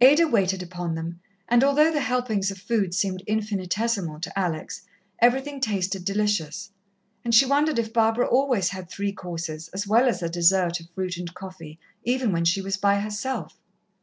Ada waited upon them, and although the helpings of food seemed infinitesimal to Alex, everything tasted delicious, and she wondered if Barbara always had three courses as well as a dessert of fruit and coffee, even when she was by herself.